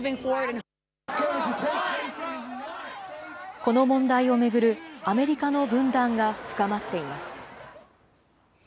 この問題を巡るアメリカの分断が深まっています。